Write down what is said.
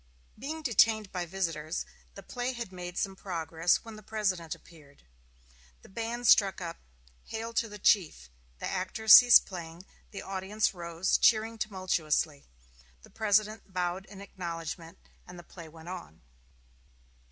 Being detained by visitors, the play had made some progress when the President appeared. The band struck up "Hail to the Chief," the actors ceased playing, the audience rose, cheering tumultuously, the President bowed in acknowledgment, and the play went on.